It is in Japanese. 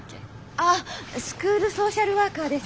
ああスクールソーシャルワーカーです。